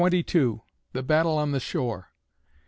THE BATTLE ON THE SHORE.